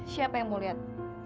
siapa yang mau liat